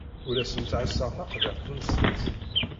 Ur asent-ttɛassaɣ taqḍiɛt-nsent.